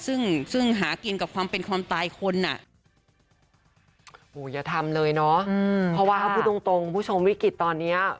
เพราะว่าความพูดตรงผู้ชมวิกัดตอนเนี่ย